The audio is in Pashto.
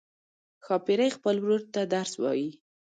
ښاپیرۍ خپل ورور ته درس وايي.